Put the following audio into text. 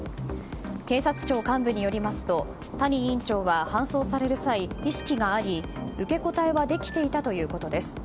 警察庁幹部によりますと谷委員長は搬送される際意識があり、受け答えはできていたということです。